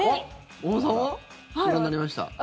岡本さんはご覧になりました？